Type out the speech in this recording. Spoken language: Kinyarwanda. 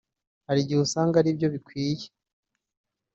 hari igihe usanga aribyo bikwiye